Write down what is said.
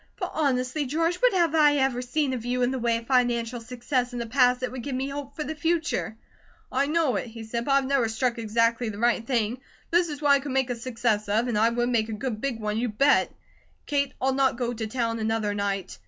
"But honestly, George, what have I ever seen of you in the way of financial success in the past that would give me hope for the future?" "I know it," he said, "but I've never struck exactly the right thing. This is what I could make a success of, and I would make a good big one, you bet! Kate, I'll not go to town another night.